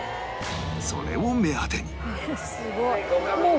それを目当てに